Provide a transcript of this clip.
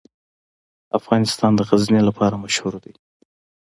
افغانستان د غزني لپاره مشهور دی.